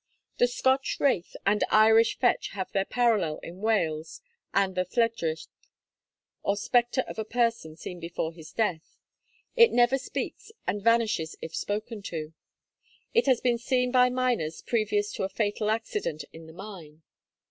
The Scotch wraith and Irish fetch have their parallel in Wales in the Lledrith, or spectre of a person seen before his death; it never speaks, and vanishes if spoken to. It has been seen by miners previous to a fatal accident in the mine.